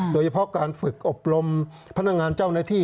โดยเฉพาะการฝึกอบรมพนักงานเจ้าหน้าที่